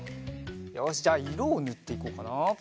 よしじゃあいろをぬっていこうかな。